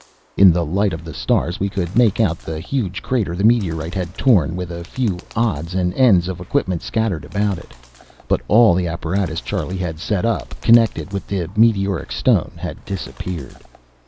In the light of the stars we could make out the huge crater the meteorite had torn, with a few odds and ends of equipment scattered about it. But all the apparatus Charlie had set up, connected with the meteoric stone, had disappeared.